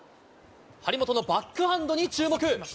張本のバックハンドに注目。